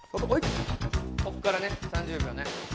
ここからね３０秒ね。